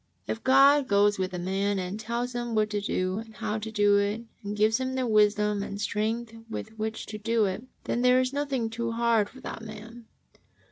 If (jod goes with a man and tells him what to do and how to do it, and gives him the wisdom and strength with which to do it, then there is nothing too hard for that man.